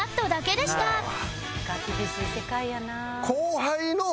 厳しい世界やなあ。